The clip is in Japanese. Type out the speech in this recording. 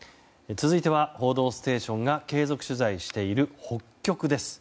続いては「報道ステーション」が継続取材している北極です。